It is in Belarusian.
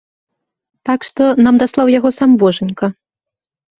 Так што, нам даслаў яго сам божанька.